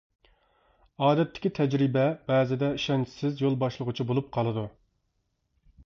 ئادەتتىكى تەجرىبە بەزىدە ئىشەنچىسىز يول باشلىغۇچى بولۇپ قالىدۇ.